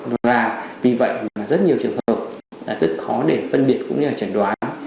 và vì vậy rất nhiều trường hợp rất khó để phân biệt cũng như là chẩn đoán